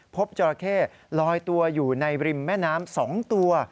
จราเข้ลอยตัวอยู่ในริมแม่น้ำ๒ตัว